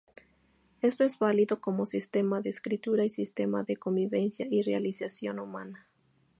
Esto es válido como sistema de escritura y sistema de convivencia y realización humana.